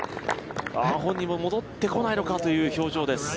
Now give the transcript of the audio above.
本人も戻ってこないのかという表情です。